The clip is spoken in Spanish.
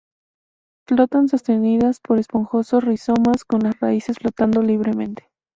Flotan sostenidas por esponjosos rizomas, con las raíces flotando libremente.